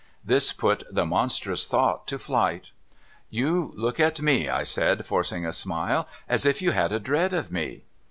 This put the monstrous thou<'ht to flight. °' You look at me,' I said, forcing a smile, ' as if you had a dread of me.'